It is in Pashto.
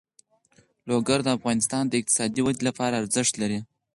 لوگر د افغانستان د اقتصادي ودې لپاره ارزښت لري.